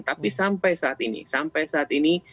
tapi sampai saat ini sampai saat ini